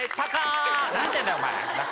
何やってんだよお前。